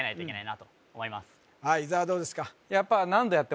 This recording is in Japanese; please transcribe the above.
はい伊沢どうですか？